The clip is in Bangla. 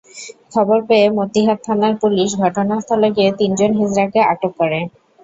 খবর পেয়ে মতিহার থানার পুলিশ ঘটনাস্থলে গিয়ে তিনজন হিজড়াকে আটক করে।